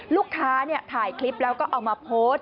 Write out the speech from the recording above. ลูกค้าถ่ายคลิปแล้วก็เอามาโพสต์